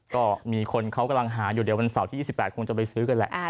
ก็มีคนเขากำลังหาอยู่เดี๋ยววันเสาร์ที่๒๘คงจะไปซื้อกันแหละ